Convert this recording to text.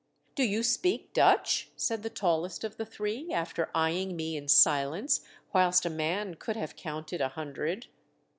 " Do you speak Dutch ?" said the tallest of the three, after eyeing me in silence whilst a man could have counted a hundred.